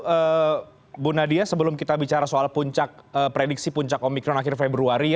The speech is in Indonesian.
ibu nadia sebelum kita bicara soal puncak prediksi puncak omikron akhir februari